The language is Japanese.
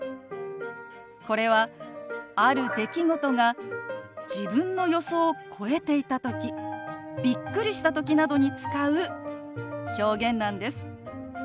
これはある出来事が自分の予想を超えていたときびっくりしたときなどに使う表現なんです。